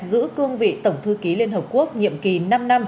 giữ cương vị tổng thư ký liên hợp quốc nhiệm kỳ năm năm